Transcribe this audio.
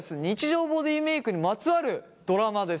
日常ボディーメイクにまつわるドラマです。